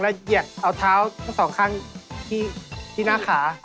แล้วเหยียดเอาเท้าทั้งสองข้างที่หน้าขา